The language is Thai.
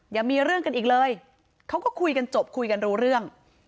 อย่ามีเรื่องกันอีกเลยเขาก็คุยกันจบคุยกันรู้เรื่อง